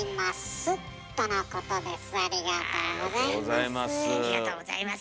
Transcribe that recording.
ありがとうございます。